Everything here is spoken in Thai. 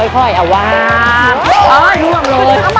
ค่อยอวาง